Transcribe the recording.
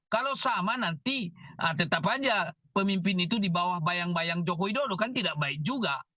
kalau sama nanti tetap aja pemimpin itu di bawah bayang bayang joko widodo kan tidak baik juga